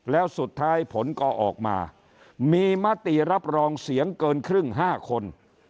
แล้วสุดท้ายผลก็ออกมามีมติรับรองเสียงเกินครึ่ง๕คน